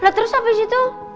lah terus apa sih itu